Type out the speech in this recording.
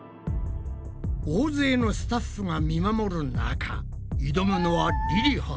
大勢のスタッフが見守る中挑むのはりりは。